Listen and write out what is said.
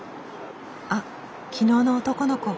あっ昨日の男の子。